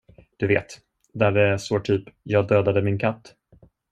Du vet, där det står typ, jag dödade min katt.